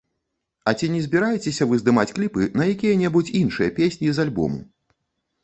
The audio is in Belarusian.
А ці не збіраецеся вы здымаць кліпы на якія-небудзь іншыя песні з альбому?